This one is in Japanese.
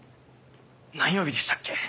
何曜日でしたっけ？